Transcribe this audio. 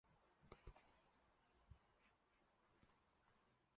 程砚秋自称鸳鸯冢是一出伟大的爱情悲剧。